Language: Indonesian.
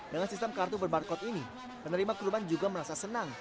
dengan sistem kartu berbarcode ini penerima kurban juga merasa senang